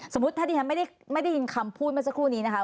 สมมุติถ้าที่ท่านไม่ได้ยินคำพูดมาสักครู่นี้นะคะ